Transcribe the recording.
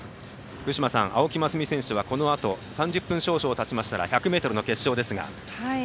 福島さん、青木益未選手はこのあと３０分少々たちましたら１００ｍの決勝です。